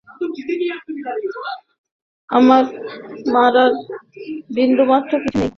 আমার মরার বিন্দুমাত্র ইচ্ছা নেই।